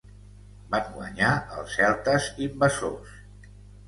Van guanyar els celtes invasors.